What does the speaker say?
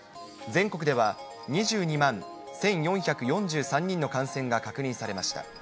全国では２２万１４４３人の感染が確認されました。